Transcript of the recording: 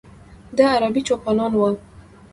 د ه عربي چوپانان و.